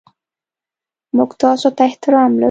موږ تاسو ته احترام لرو.